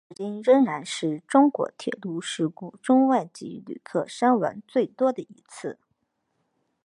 该事故至今仍然是中国铁路事故中外籍旅客伤亡最多的一次。